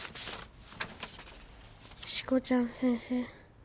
「しこちゃん先生」